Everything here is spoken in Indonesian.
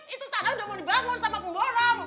itu tarang udah mau dibangun sama pemborong